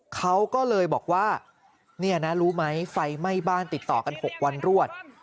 เขาก็เลยบอกว่าเนี่ยนะรู้ไหมไฟไหม้บ้านติดต่อกัน๖วันรวด